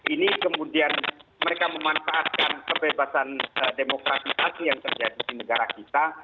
ini kemudian mereka memanfaatkan kebebasan demokrasi yang terjadi di negara kita